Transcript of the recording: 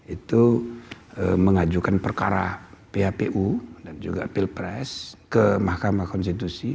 itu mengajukan perkara phpu dan juga pilpres ke mahkamah konstitusi